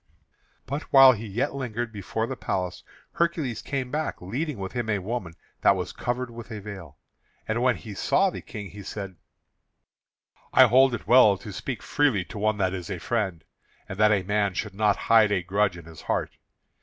But while he yet lingered before the palace Hercules came back, leading with him a woman that was covered with a veil. And when he saw the King, he said: "I hold it well to speak freely to one that is a friend, and that a man should not hide a grudge in his heart.